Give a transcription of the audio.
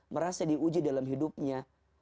merasa diuji dalam hidupnya